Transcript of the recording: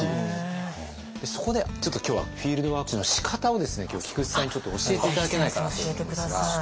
そこでちょっと今日はフィールドワークのしかたをですね今日菊地さんにちょっと教えて頂けないかなと思うんですが。